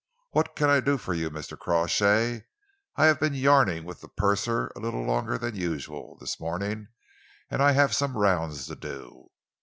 "What can I do for you, Mr. Crawshay? I have been yarning with the purser a little longer than usual, this morning, and I have some rounds to do."